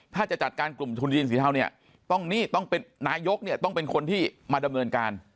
ถ้าจะจัดการกลุ่มทุนจีนสีเทาเนี่ยต้องนี่ต้องเป็นนายกเนี่ยต้องเป็นคนที่มาดำเนินการ